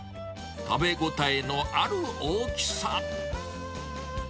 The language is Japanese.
食べ応えのある大きさ。